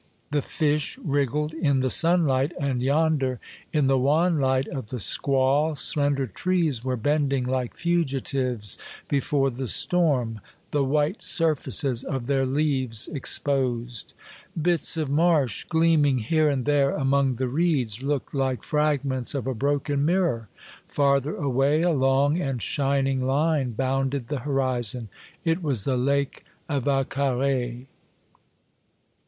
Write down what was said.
The fish wriggled in the sunlight, and yonder, in the wan light of the squall, slender trees were bending like fugitives before the storm, the white surfaces of their leaves exposed. Bits of marsh, Gastronomic Scenes, 279 gleaming here and there among the reeds, looked like fragments of a broken mirror. Farther away a long and shining line bounded the horizon. It was the Lake of Vaccares.